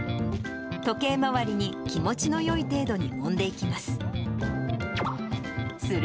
時計回りに気持ちのよい程度にもんでいきます。